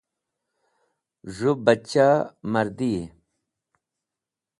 Z̃hũ bachahmardiyi.